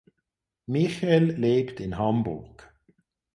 Michel lebt in Hamburg.